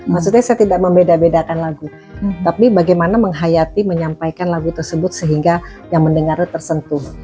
maksudnya saya tidak membeda bedakan lagu tapi bagaimana menghayati menyampaikan lagu tersebut sehingga yang mendengarnya tersentuh